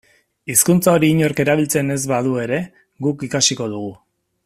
Hizkuntza hori inork erabiltzen ez badu ere guk ikasiko dugu.